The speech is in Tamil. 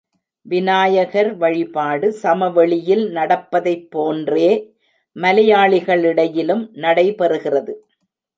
விநாயகர் வழிபாடு சமவெளியில் நடப்பதைப் போன்றே மலையாளிகளிடையிலும் நடைபெறுகிறது.